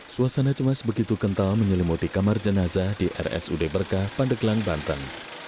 suasana cemas begitu kental menyelimuti kamar jenazah di rsud berkah pandeglang banten